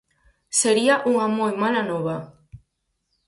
Sería unha moi mala nova.